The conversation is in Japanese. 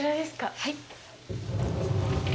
はい。